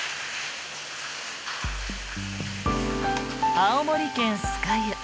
青森県酸ケ湯。